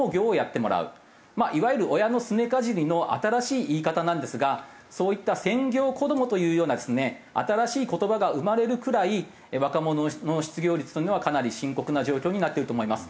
いわゆる親のすねかじりの新しい言い方なんですがそういった「専業子ども」というようなですね新しい言葉が生まれるくらい若者の失業率というのはかなり深刻な状況になってると思います。